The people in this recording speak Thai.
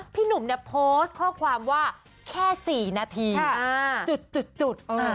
พี่หนุ่มเนี่ยโพสต์ข้อความว่าแค่๔นาทีจุด